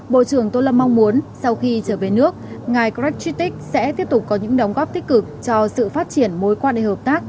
bộ trưởng tô lâm mong muốn sau khi trở về nước ngài cred tritik sẽ tiếp tục có những đóng góp tích cực cho sự phát triển mối quan hệ hợp tác